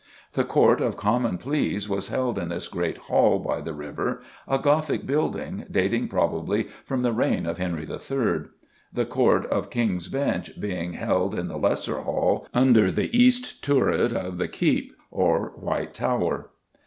The Court of Common Pleas was held in this great hall by the river, a Gothic building, dating, probably, from the reign of Henry III.; the Court of King's Bench being held in the Lesser Hall "under the east turret of the Keep" or White Tower.